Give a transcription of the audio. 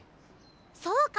そうか。